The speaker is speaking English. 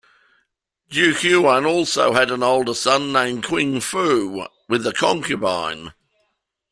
Duke Huan also had an older son named Qingfu with a concubine.